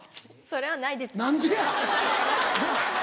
それはないです。